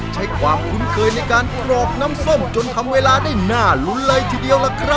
ใช้ความคุ้นเคยในการกรอกน้ำส้มจนทำเวลาได้น่าลุ้นเลยทีเดียวล่ะครับ